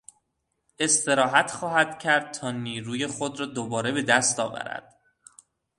استراحت خواهد کردتا نیروی خود را دوباره به دست آورد.